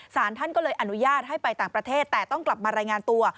สารท่านก็เลยอนุญาตให้ไปต่างประเทศแต่ต้องกลับมารายงานตัว